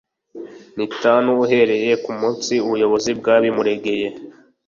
n’ itanu uhereye ku munsi umuyobozi bwabimuregeye